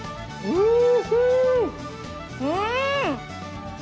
うん。